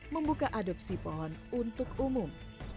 membuka adopsi pohon untuk umum